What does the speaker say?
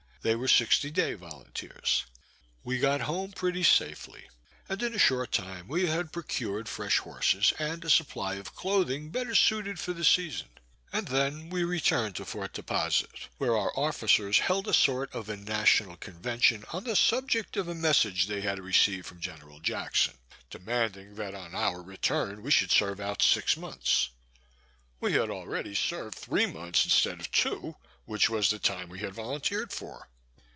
They were sixty day volunteers. We got home pretty safely, and in a short time we had procured fresh horses and a supply of clothing better suited for the season; and then we returned to Fort Deposite, where our officers held a sort of a "national convention" on the subject of a message they had received from General Jackson, demanding that on our return we should serve out six months. We had already served three months instead of two, which was the time we had volunteered for.